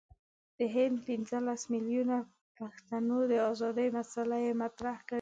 د هند پنځه لس میلیونه پښتنو د آزادی مسله یې مطرح کړه.